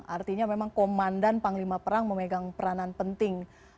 artinya memang komandan panglima perang memegang peranan penting